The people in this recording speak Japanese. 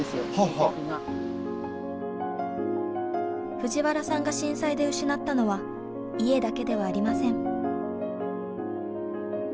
藤原さんが震災で失ったのは家だけではありません。